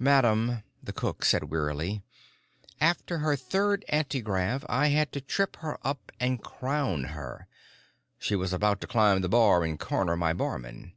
"Madam," the cook said wearily, "after her third antigrav I had to trip her up and crown her. She was about to climb the bar and corner my barman."